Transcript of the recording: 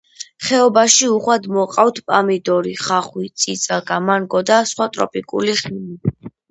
ხეობაში უხვად მოჰყავთ პამიდორი, ხახვი, წიწაკა, მანგო და სხვა ტროპიკული ხილი.